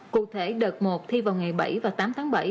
cụ thể đợt một thi vào ngày bảy và tám tháng bảy